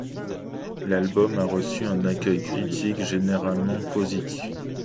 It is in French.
L'album a reçu un accueil critique généralement positif.